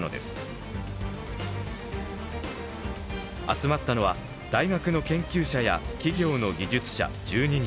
集まったのは大学の研究者や企業の技術者１２人。